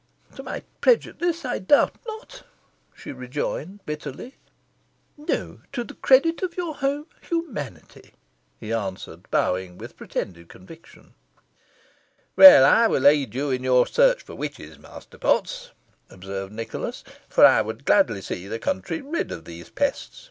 "To my prejudice, I doubt not," she rejoined, bitterly. "No, to the credit of your humanity," he answered, bowing, with pretended conviction. "Well, I will aid you in your search for witches, Master Potts," observed Nicholas; "for I would gladly see the country rid of these pests.